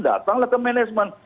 datanglah ke manajemen